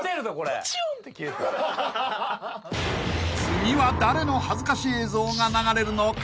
［次は誰の恥ずかし映像が流れるのか？］